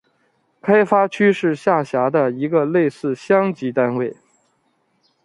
开发区是下辖的一个类似乡级单位。